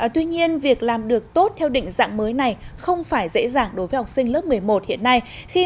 tuy nhiên việc làm được tốt theo định dạng mới này không phải dễ dàng đối với học sinh lớp một mươi một hiện nay